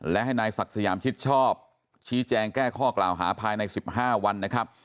และให้นายศักดิ์สยามชิดชอบชี้แจงแก้ข้อกล่าวหาภายใน๑๕วันนะครับ